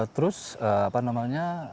terus apa namanya